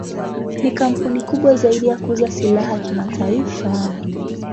Ni kampuni kubwa zaidi ya kuuza silaha kimataifa.